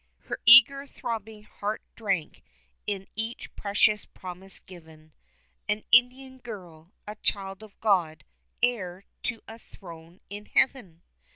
Her eager throbbing heart drank in each precious promise given, An Indian girl, a child of God, heir to a throne in heaven?